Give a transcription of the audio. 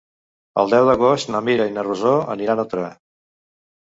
El deu d'agost na Mira i na Rosó aniran a Torà.